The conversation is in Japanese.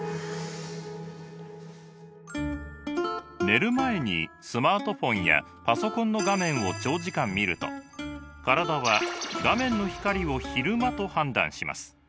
寝る前にスマートフォンやパソコンの画面を長時間見ると体は画面の光を昼間と判断します。